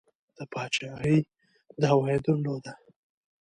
د پاچهي دعوه یې درلوده.